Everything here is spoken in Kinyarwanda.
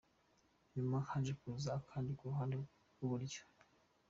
Nyuma, haje kuza akandi ku ruhande rw’iburyo.